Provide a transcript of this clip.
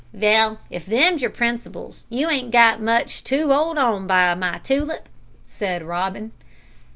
"Vell, if them's your principles you ain't got much to 'old on by, my tulip," said Robin.